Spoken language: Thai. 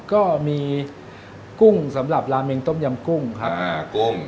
ก็มีกุ้งสำหรับลาเมนต้มยำกุ้งครับ